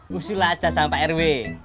busul aja sama pak rw